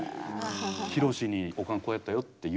博に「おかんこうやったよ」って言うのか。